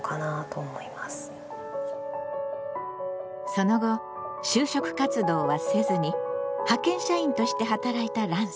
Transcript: その後就職活動はせずに派遣社員として働いたランさん。